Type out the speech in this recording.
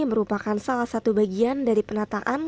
merupakan salah satu bagian dari penataan